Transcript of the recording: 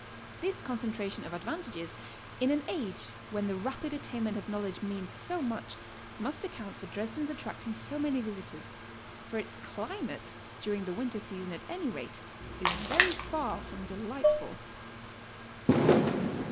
This concentration of advantages, in an age when the rapid at tainment of knowledge means so much, must account for HOW TO STAY. 169 Dresden's attracting so many visitors, for its cHmate, during the winter season at any rate, is very far from delightful.